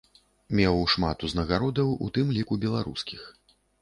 Меў шмат узнагародаў, у тым ліку беларускіх.